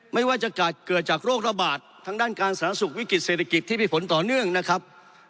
ไม่ว่าจะเกิดจากโรคระบาดทางด้านการสาธารณสุขวิกฤตเศรษฐกิจที่มีผลต่อเนื่องนะครับ